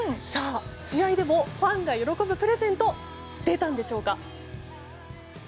試合でもファンが喜ぶプレゼント、出たんでしょうか。